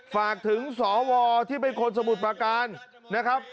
ฝากถึงสวที่เป็นคนสมุทรประการนะครับ